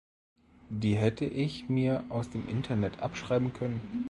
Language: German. Die hätte ich mir aus dem Internet abschreiben können.